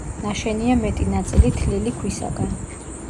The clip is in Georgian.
ნაშენია მეტი ნაწილი თლილი ქვისაგან.